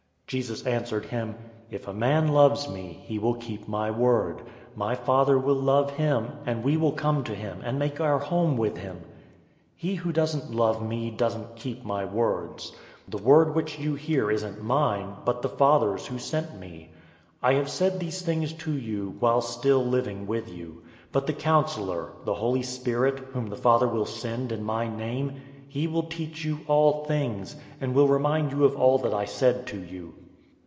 014:023 Jesus answered him, "If a man loves me, he will keep my word. My Father will love him, and we will come to him, and make our home with him. 014:024 He who doesn't love me doesn't keep my words. The word which you hear isn't mine, but the Father's who sent me. 014:025 I have said these things to you, while still living with you. 014:026 But the Counselor, the Holy Spirit, whom the Father will send in my name, he will teach you all things, and will remind you of all that I said to you.